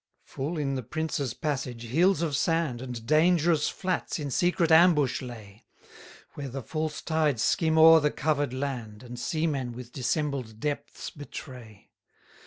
113 Full in the prince's passage, hills of sand, And dangerous flats in secret ambush lay; Where the false tides skim o'er the cover'd land, And seamen with dissembled depths betray.